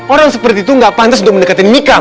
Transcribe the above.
orang seperti itu nggak pantas untuk mendekatin mika ma